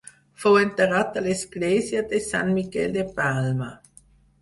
Fou enterrat a l'església de Sant Miquel de Palma.